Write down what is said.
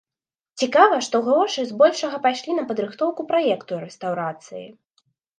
Цікава, што грошы збольшага пайшлі на падрыхтоўку праекту рэстаўрацыі.